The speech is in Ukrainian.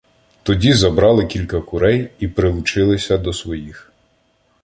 Тоді забрали кілька курей і прилучилися до своїх.